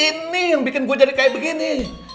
ini yang bikin gue jadi kayak begini